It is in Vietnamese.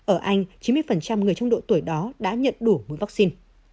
ở anh chín mươi người trong độ tuổi đó đã nhận đủ vaccine